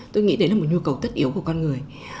tôi nghĩ đấy là một nhu cầu tất yếu của con người